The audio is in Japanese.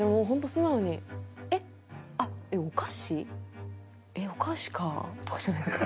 素直に「えっ？あっお菓子？」。「えっお菓子か」とかじゃないですか？